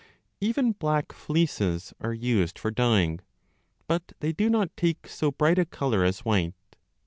Even black fleeces 1 are used for dyeing, but they do not take so bright a colour as white.